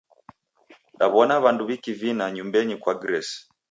Daw'ona w'andu w'ikivina nyumbenyi kwa Grace.